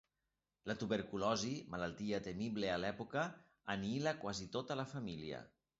La tuberculosi, malaltia temible a l'època, anihila quasi tota la família.